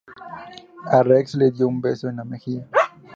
A Rex le dio un beso en la mejilla.